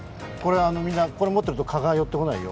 これ持っていると蚊が寄ってこないよ。